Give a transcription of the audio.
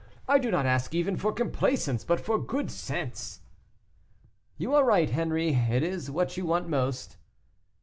I do not ask even for complaisance, but for good sense." "You are right, Henri; it is what you want most."